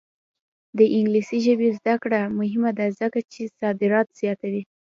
د انګلیسي ژبې زده کړه مهمه ده ځکه چې صادرات زیاتوي.